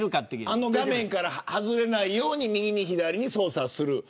あの画面から外れないように右に左に操作する。